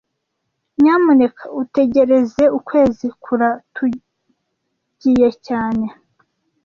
Nyamuneka utegereze ukwezi kuratugiye cyane